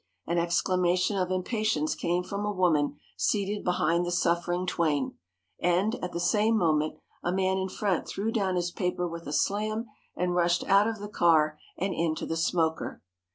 An exclamation of impatience came from a woman seated behind the suffering twain, and, at the same moment, a man in front threw down his paper with a slam and rushed out of the car and into the smoker.